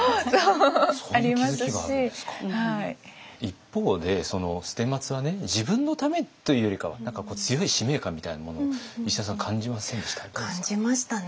一方で捨松は自分のためというよりかは何か強い使命感みたいなものを石田さん感じませんでした？